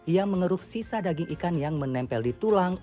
ia mengeruk sisa daging ikan yang menempel di tulang